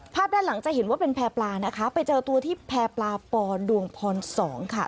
ด้านหลังจะเห็นว่าเป็นแพร่ปลานะคะไปเจอตัวที่แพร่ปลาปอดวงพร๒ค่ะ